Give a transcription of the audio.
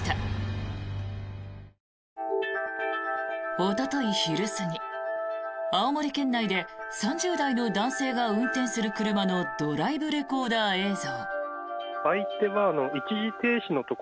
おととい昼過ぎ青森県内で３０代の男性が運転する車のドライブレコーダー映像。